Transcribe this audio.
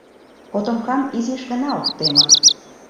Котомкам изиш гына ок теме.